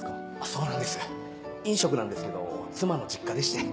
そうなんです飲食なんですけど妻の実家でして。